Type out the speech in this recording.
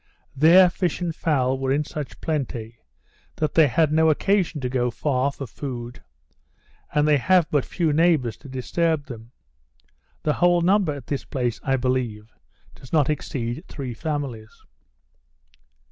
There fish and fowl were in such plenty, that they had no occasion to go far for food; and they have but few neighbours to disturb them. The whole number at this place, I believe, does not exceed three families.